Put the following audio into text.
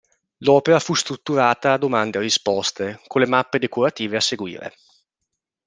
L'opera fu strutturata a domande e risposte, con le mappe decorative a seguire.